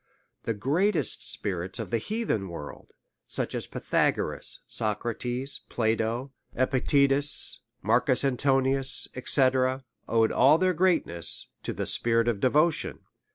The greatest spirits of the heathen world, such as Pythagoras, Socrates, Plato, Epictetus, Marcus Antoninus, &c. owed all their greatness to the spirit of devotion.